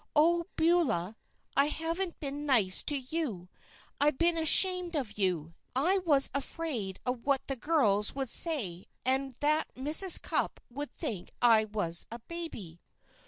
"Oh, Beulah! I haven't been nice to you. I've been ashamed of you! I was afraid of what the girls would say, and that Mrs. Cupp would think I was a baby."